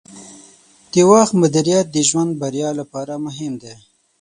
د وخت مدیریت د ژوند بریا لپاره مهم دی.